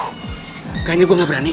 kayaknya gue gak berani